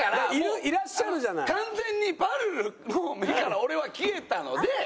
完全にぱるるの目から俺は消えたので。